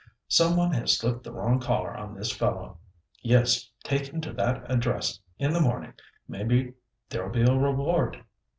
Some one has slipped the wrong collar on this fellow. Yes, take him to that address in the morning. Maybe there'll be a reward."